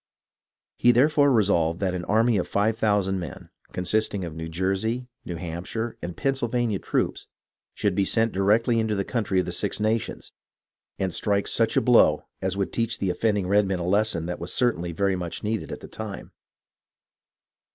He therefore resolved that an army of five thousand men, consisting of New Jersey, New Hampshire, and Pennsylvania troops, should be sent directly into the country of the Six Nations, and strike such a blow as would teach the offending redmen a lesson that was certainly very much needed at the time.